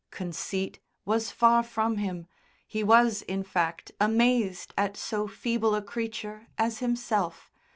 Conceit was far from him he was, in fact, amazed at so feeble a creature as himself!